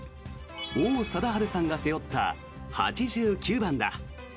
王貞治さんが背負った８９番だ。